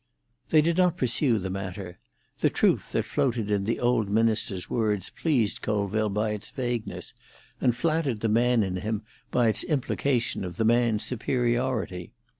They did not pursue the matter. The truth that floated in the old minister's words pleased Colville by its vagueness, and flattered the man in him by its implication of the man's superiority.